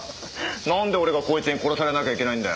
なんで俺がこいつに殺されなきゃいけないんだよ。